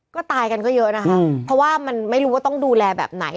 ก็ตายกันก็เยอะนะคะเพราะว่ามันไม่รู้ว่าต้องดูแลแบบไหน